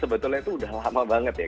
sebetulnya itu udah lama banget ya